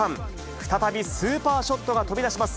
再びスーパーショットが飛び出します。